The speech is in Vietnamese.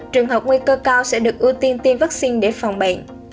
trường hợp nguy cơ cao sẽ được ưu tiên tiêm vaccine để phòng bệnh